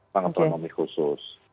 pengepulangan umum khusus